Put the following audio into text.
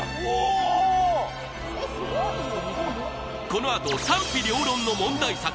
このあと賛否両論の問題作